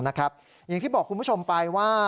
อย่างที่บอกคุณผู้ชมไปว่า